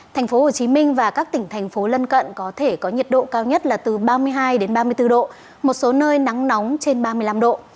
tp hcm và các tỉnh thành phố lân cận có thể có nhiệt độ cao nhất là từ ba mươi hai ba mươi bốn độ một số nơi nắng nóng trên ba mươi năm độ